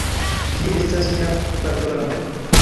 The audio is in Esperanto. Kie estas nia patrolando?